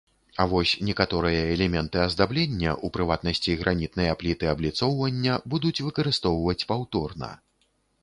А вось некаторыя элементы аздаблення, у прыватнасці, гранітныя пліты абліцоўвання, будуць выкарыстоўваць паўторна.